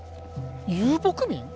遊牧民？